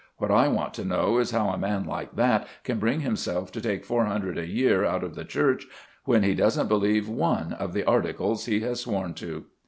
What I want to know is how a man like that can bring himself to take four hundred a year out of the Church, when he doesn't believe one of the Articles he has sworn to?"